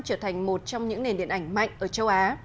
trở thành một trong những nền điện ảnh mạnh ở châu á